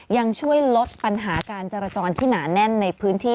ยังช่วยลดปัญหาการจราจรที่หนาแน่นในพื้นที่